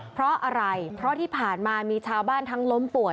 เพราะอะไรเพราะที่ผ่านมามีชาวบ้านทั้งล้มป่วย